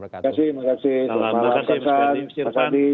terima kasih mas adi